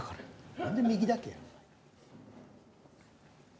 何で右だけやねん。